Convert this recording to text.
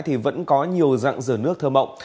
thì vẫn có nhiều dặng dừa nước thơm mộng